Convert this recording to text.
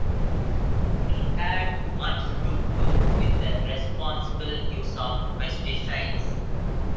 He had much to do with the responsible use of pesticides.